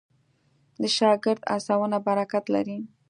د شاګرد هڅونه برکت لري.